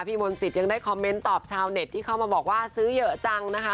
มนตรียังได้คอมเมนต์ตอบชาวเน็ตที่เข้ามาบอกว่าซื้อเยอะจังนะคะ